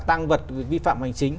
tăng vật vi phạm hành chính